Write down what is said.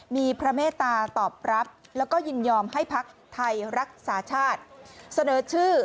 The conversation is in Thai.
มีพระเมตตาตอบรับแล้วก็ยินยอมให้พักไทยรักษาชาติเสนอชื่อ